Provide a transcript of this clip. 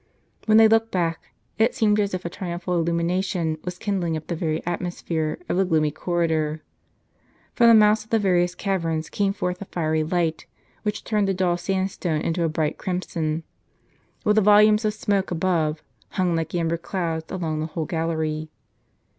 When they looked back, it seemed as if a triumphal illumination was kindling up the very atmosphere of the gloomy corridor. From the mouths of the various caverns came forth a fiery light which turned the didl sandstone into a bright crimson; while the volumes of smoke above, hung like amber clouds along the whole gallery.